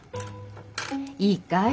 いいかい？